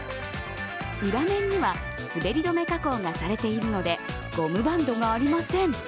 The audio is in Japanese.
裏面には滑り止め加工がされているのでゴムバンドがありません。